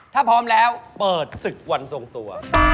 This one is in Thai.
ถ้าพร้อมแล้วเปิดศึกวันทรงตัว